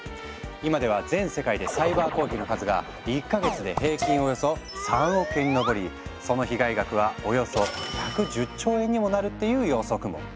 今では全世界でサイバー攻撃の数が１か月で平均およそその被害額はおよそ１１０兆円にもなるっていう予測も。